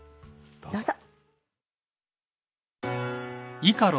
どうぞ。